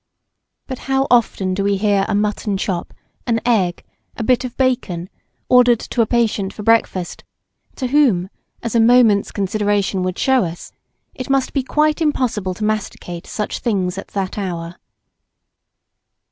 But how often do we hear a mutton chop, an egg, a bit of bacon, ordered to a patient for breakfast, to whom (as a moment's consideration would show us) it must be quite impossible to masticate such things at that hour.